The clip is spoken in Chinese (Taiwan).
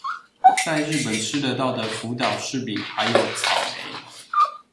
在日本吃到的福島柿餅還有草莓